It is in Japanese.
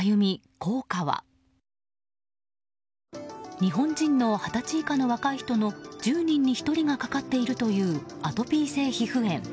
日本人の２０歳以下の若い人の１０人に１人がかかっているというアトピー性皮膚炎。